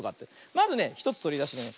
まずね１つとりだしてね